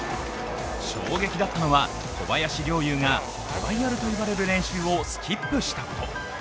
衝撃だったのは、小林陵侑がトライアルと言われる練習をスキップしたこと。